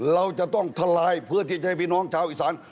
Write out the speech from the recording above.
เราจะต้องทลายเพื่อที่จะให้พี่น้องชาวอีสาน